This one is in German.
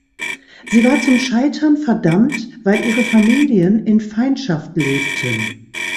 Sie war zum Scheitern verdammt, weil ihre Familien in Feindschaft lebten.